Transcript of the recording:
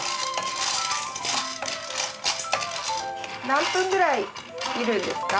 何分ぐらい煎るんですか？